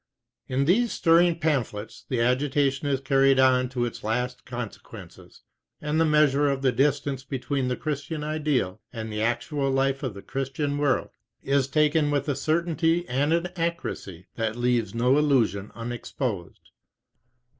In these stirring pamphlets the agitation is carried on to its last consequences, and the measure of the distance between the Christian ideal and the actual life of the Christian world, is taken with a certainty and an accuracy that leaves no illusion unexposed.